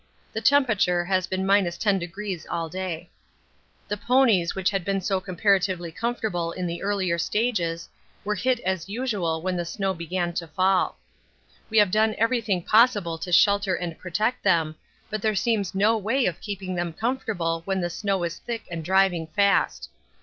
The temperature has been 10° all day. The ponies, which had been so comparatively comfortable in the earlier stages, were hit as usual when the snow began to fall. We have done everything possible to shelter and protect them, but there seems no way of keeping them comfortable when the snow is thick and driving fast.